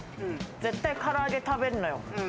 絶対から揚げ食べるのよ。